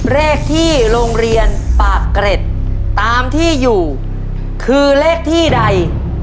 เลขที่โรงเรียนปากเกร็ดตามที่อยู่คือเลขที่ใด